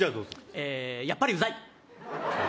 えーっ、やっぱりうざい。